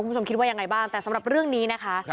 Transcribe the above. คุณผู้ชมคิดว่ายังไงบ้างแต่สำหรับเรื่องนี้นะคะ